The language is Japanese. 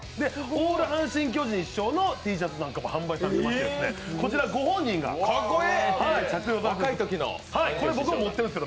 オール阪神・巨人師匠のＴシャツなんかも販売されていてこちらご本人が着用されているんです。